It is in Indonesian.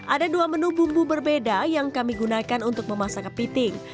ada dua menu bumbu berbeda yang kami gunakan untuk memasak kepiting